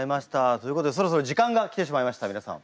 ということでそろそろ時間が来てしまいました皆さん。